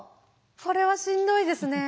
それはしんどいですね。